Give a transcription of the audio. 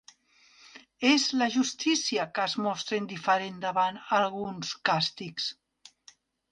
És la justícia que es mostra indiferent davant alguns càstigs.